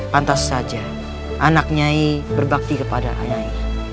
pantas saja anak nyai berbakti kepada nyai